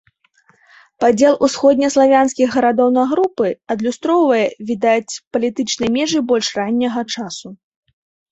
Падзел усходнеславянскіх гарадоў на групы адлюстроўвае, відаць, палітычныя межы больш ранняга часу.